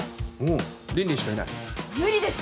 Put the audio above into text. うん凜々しかいない無理です